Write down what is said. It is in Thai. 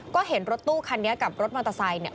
ก็เห็นรถตู้คันนี้กับรถมอเตอร์ไซค์เนี่ย